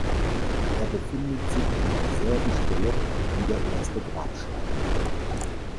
Er befindet sich an derselben Stelle wie der erste Grabstein.